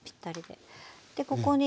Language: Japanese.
でここに。